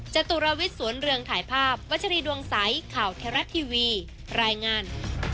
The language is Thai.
จตุรวิทย์สวนเรืองถ่ายภาพวัชรีดวงใสข่าวเทราะทีวีรายงาน